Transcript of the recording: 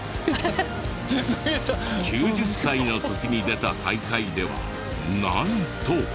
９０歳の時に出た大会ではなんと。